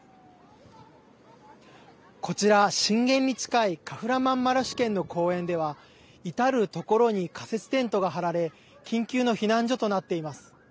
こちら、震源に近いカフラマンマラシュ県の公園では至る所に仮設テントが張られ緊急の避難所となっています。